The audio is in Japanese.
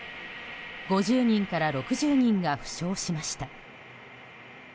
５０人から６０人が負傷しました。